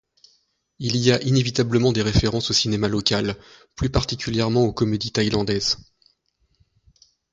Il y a inévitablement des références au cinéma local, plus particulièrement aux comédies thaïlandaises.